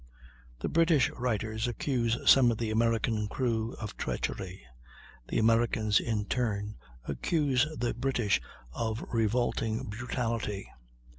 The British writers accuse some of the American crew of treachery; the Americans, in turn, accuse the British of revolting brutality.